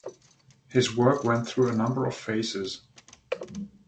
His work went through a number of phases.